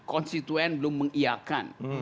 konstituen belum mengiakan